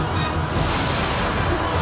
ini mah aneh